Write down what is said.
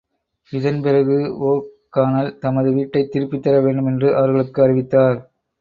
இதன் பிறகு O'Connell தமது வீட்டைத் திருப்பித்தர வேண்டுமென்று அவர்களுக்கு அறிவித்தார்.